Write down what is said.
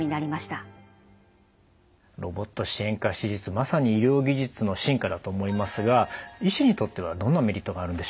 まさに医療技術の進化だと思いますが医師にとってはどんなメリットがあるんでしょう？